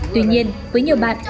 đứng lên đứng lên